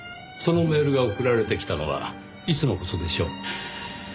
そのメールが送られてきたのはいつの事でしょう？